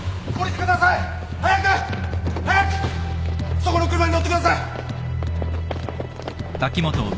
そこの車に乗ってください！